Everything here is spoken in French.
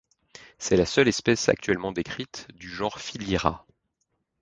C'est la seule espèce actuellement décrite du genre Philyra.